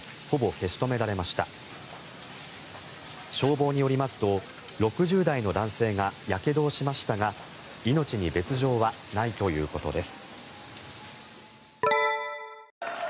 消防によりますと６０代の男性がやけどをしましたが命に別条はないということです。